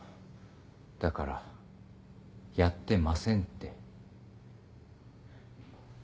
だからやってませんって。